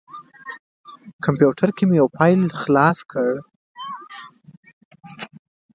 کمپیوټر کې مې یو فایل خلاص کړ.